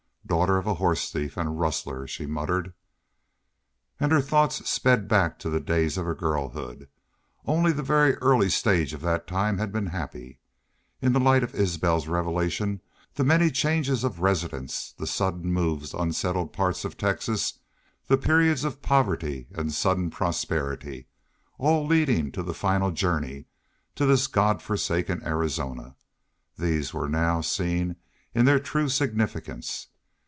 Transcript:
"Daughter of a horse thief an' rustler!" she muttered. And her thoughts sped back to the days of her girlhood. Only the very early stage of that time had been happy. In the light of Isbel's revelation the many changes of residence, the sudden moves to unsettled parts of Texas, the periods of poverty and sudden prosperity, all leading to the final journey to this God forsaken Arizona these were now seen in their true significance.